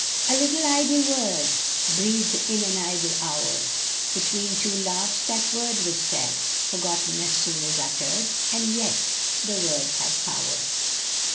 A little, idle word, Breathed in an idle hour ; Between two laughs that word was said, Forgotten as soon as uttered, And yet the word had power.